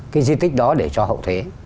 cái di tích đó để cho hậu thế